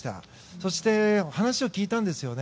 そして、話を聞いたんです。